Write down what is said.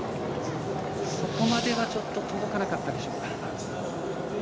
そこまでは届かなかったでしょうか。